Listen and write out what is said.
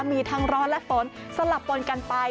มีทั้งร้อนและฝนสลับปนกันไป